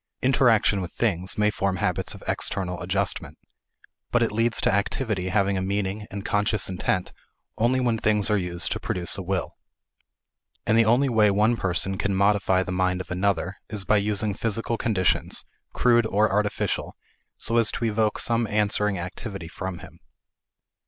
Interaction with things may form habits of external adjustment. But it leads to activity having a meaning and conscious intent only when things are used to produce a result. And the only way one person can modify the mind of another is by using physical conditions, crude or artificial, so as to evoke some answering activity from him.